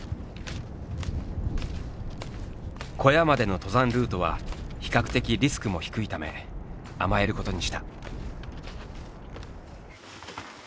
小屋までの登山ルートは比較的リスクも低いため甘えることにした。